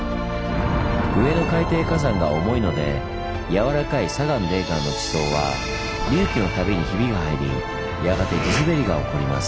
上の海底火山が重いのでやわらかい砂岩泥岩の地層は隆起の度にひびが入りやがて地すべりが起こります。